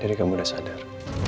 jadi kamu udah sadar